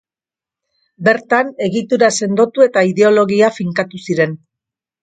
Bertan egitura sendotu eta ideologia finkatu ziren.